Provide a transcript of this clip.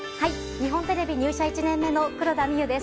日本テレビ入社１年目の黒田みゆです。